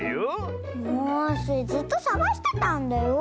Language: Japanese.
もうスイずっとさがしてたんだよ！